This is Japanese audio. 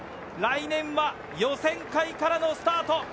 来年は予選会からのスタート。